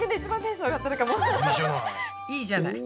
いいじゃない。